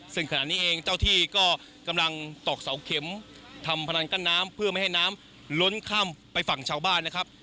ซึ่งขณะนี้เองเจ้าที่ก็กำลังตอกเสาเข็มทำพลังกั้นน้ำเพื่อไม่ให้น้ำล้นข้ามไปฝั่งชาวบ้านนะครับ